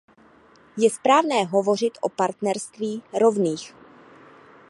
Je správné hovořit o partnerství rovných.